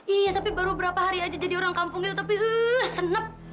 iya tapi baru berapa hari aja jadi orang kampung ya tapi senep